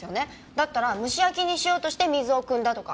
だったら蒸し焼きにしようとして水をくんだとか。